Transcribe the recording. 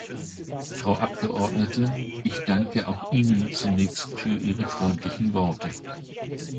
Frau Abgeordnete, ich danke auch Ihnen zunächst für Ihre freundlichen Worte.